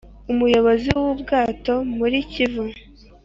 umuyobozi w’ubwato muri kivu